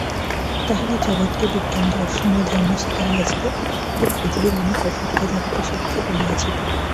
তাহারা জগৎকে বিজ্ঞান দর্শন ও ধর্ম শিখাইয়াছিল এবং পৃথিবীর অনেক অসভ্য জাতিকে সভ্য করিয়াছিল।